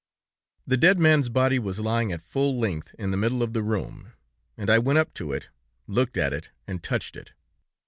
"The dead man's body was lying at full length in the middle of the room, and I went up to it, looked at it, and touched it.